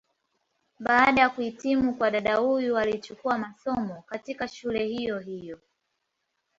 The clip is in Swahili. Baada ya kuhitimu kwa dada huyu alichukua masomo, katika shule hiyo hiyo.